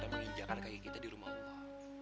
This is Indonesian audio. tapi kita jarang menginjakan kaki kita di rumah allah